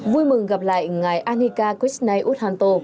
thưa mừng gặp lại ngài an hika krithneud hanto